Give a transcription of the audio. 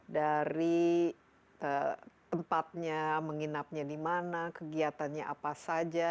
dari tempatnya menginapnya di mana kegiatannya apa saja